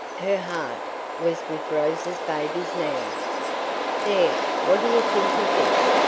Her heart was with Rose's babies now. "There, what do you think of THIS?"